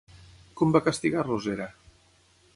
Com va castigar-los Hera?